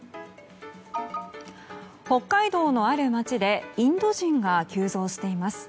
北海道のある町でインド人が急増しています。